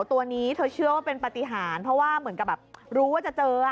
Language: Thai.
ตัวนี้เธอเชื่อว่าเป็นปฏิหารเพราะว่าเหมือนกับแบบรู้ว่าจะเจอ